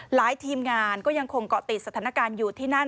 ทีมงานก็ยังคงเกาะติดสถานการณ์อยู่ที่นั่น